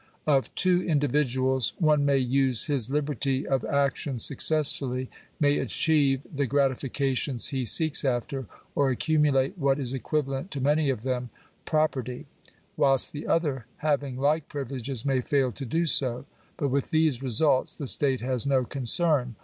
Of two individuals, one may use his liberty Digitized by VjOOQIC 812 POOR LAWS. of action successfully — may achieve the gratifications he seeks after, or accumulate what is equivalent to many of them — pro perty ; whilst the other, having like privileges, may fail to do so. But with these results the state has no concern.